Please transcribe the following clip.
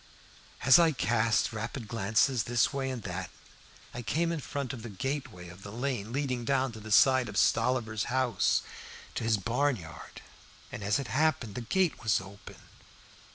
As I cast rapid glances this way and that, I came in front of the gateway of the lane leading down by the side of Stolliver's house to his barnyard. As it happened, the gate was open.